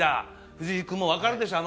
藤井君も分かるでしょ？